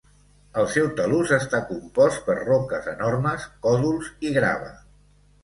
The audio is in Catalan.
El seu talús està compost per roques enormes, còdols i grava.